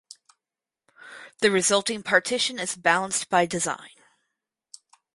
The resulting partition is balanced by design.